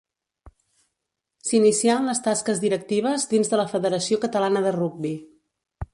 S'inicià en les tasques directives dins de la Federació Catalana de Rugbi.